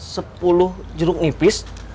sepuluh jeruk nipis